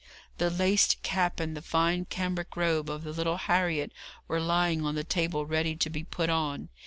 The laced cap and the fine cambric robe of the little Harriet were lying on the table ready to be put on.